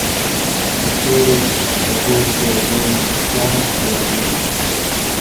دتورو تبو پرخپل ځان تیروي